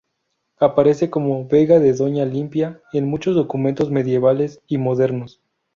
Aparece como "Vega de Doña Limpia" en muchos documentos medievales y modernos.